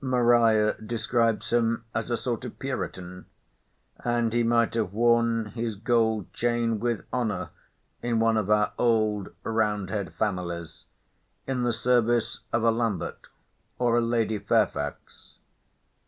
Maria describes him as a sort of Puritan; and he might have worn his gold chain with honour in one of our old round head families, in the service of a Lambert, or a Lady Fairfax.